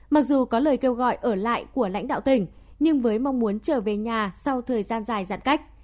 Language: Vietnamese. mặc dù có lời kêu gọi ở lại của lãnh đạo tỉnh nhưng với mong muốn trở về nhà sau thời gian dài giãn cách